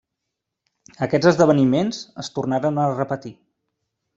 Aquests esdeveniments es tornaren a repetir.